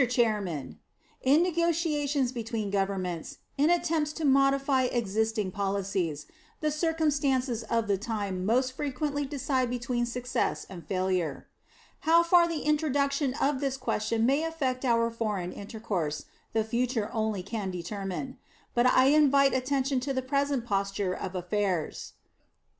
Chairman: In negotiations between governments, in attempts to modify existing policies, the circumstances of the time most frequently decide between success and failure. How far the introduction of this question may affect our foreign intercourse, the future only can determine; but I invite attention to the present posture of affairs.